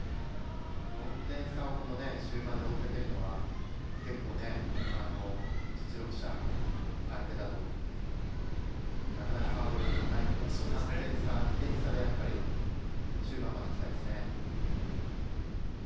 ４点差をこの終盤で追いかけるのは結構、実力者相手だとなかなかハードルが高いので３点差、２点差で終盤まで行きたいですね。